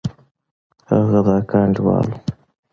هغه د اکا انډيوال و.